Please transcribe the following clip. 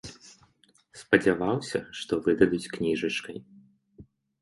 Спадзяваўся, што выдадуць кніжачкай.